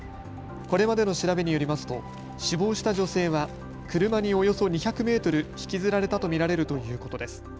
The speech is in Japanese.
これまでの調べによりますと死亡した女性は車におよそ２００メートル引きずられたと見られるということです。